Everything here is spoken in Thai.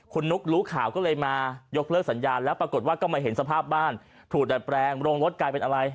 คุณนุ๊กรู้ข่าวก็เลยมายกเลิกสัญญาณแล้วปรากฏว่าก็มาเห็นสภาพบ้านถูกดัดแปลงโรงรถกลายเป็นอะไร